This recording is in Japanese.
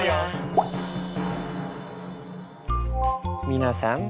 皆さん。